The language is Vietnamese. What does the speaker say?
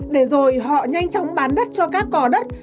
để rồi họ nhanh chóng bán đất cho các cò đất